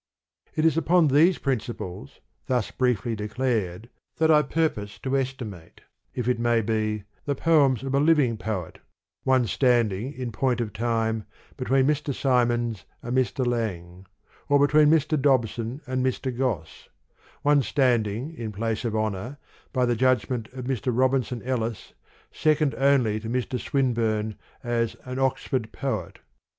It is upon these principles, thus briefly declared, that I purpose to estimate, if may be, the poems of a living poet ; one standing, in point of time, between Mr. Symonds and Mr. Lang, or between Mr. Dobson and Mr. Gosse: one standing, in place of honour, by the judgment of Mr. Robinson ElHs, " second only to Mr. Swin burne ", as " an Oxford poet.